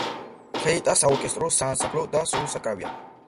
ფლეიტა საორკესტრო, საანსამბლო და სოლო საკრავია.